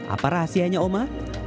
apa rahasianya oma